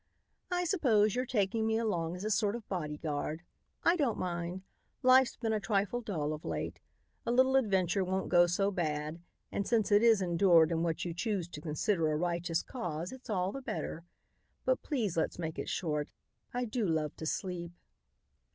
"I suppose you're taking me along as a sort of bodyguard. I don't mind. Life's been a trifle dull of late. A little adventure won't go so bad and since it is endured in what you choose to consider a righteous cause, it's all the better. But please let's make it short. I do love to sleep."